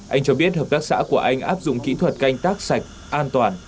anh cho biết hợp tác xã của anh áp dụng kỹ thuật canh tác sạch an toàn